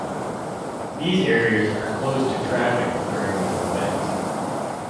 These areas are closed to traffic during the event.